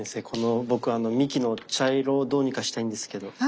この僕あの幹の茶色をどうにかしたいんですけど。